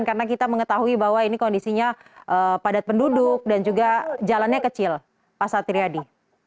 karena kita mengetahui bahwa ini kondisinya padat penduduk dan juga jalannya kecil pak satriadi